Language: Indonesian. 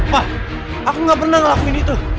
pak aku gak pernah ngelakuin itu